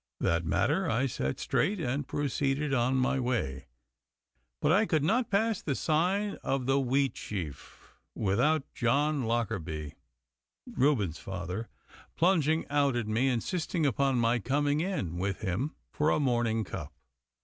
That matter I set straight and proceeded on my way; but I could not pass the sign of the Wheatsheaf without John Lockarby, Reuben's father, plunging out at me and insisting upon my coming in with him for a morning cup.